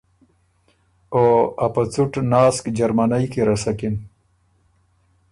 او ا په څُټ ناسک جرمنئ کی رسکِن۔